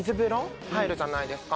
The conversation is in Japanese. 入るじゃないですか